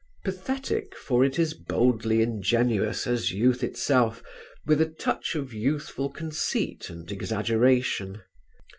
"Pathetic" for it is boldly ingenuous as youth itself with a touch of youthful conceit and exaggeration.